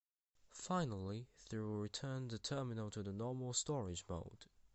Finally, through returned the terminal to the normal storage mode.